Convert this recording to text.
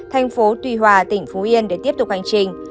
thành phố tuy hòa tỉnh phú yên để tiếp tục hành trình